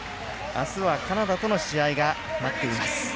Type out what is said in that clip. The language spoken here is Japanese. あすはカナダとの試合が待っています。